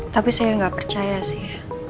tapi saya nggak percaya sih